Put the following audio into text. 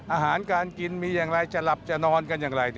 อาหารการกินมีอย่างไรจะหลับจะนอนกันอย่างไร